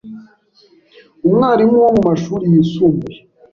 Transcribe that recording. umwalimu wo mu mashuri yisumbuye,